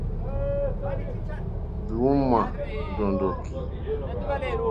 Lì ujmà ndàndòki.